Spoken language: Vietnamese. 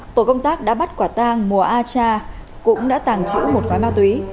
tổ công tác đã bắt quả tang mùa a tra cũng đã tàng trữ một gói ma túy